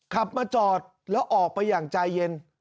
ขับมาจอดแล้วออกไปอย่างใจเย็น